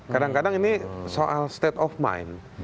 kadang kadang ini soal state of mind